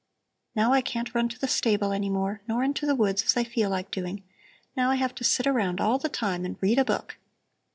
Now I can't run to the stable any more, nor into the woods as I feel like doing; now I have to sit around all the time and read a book.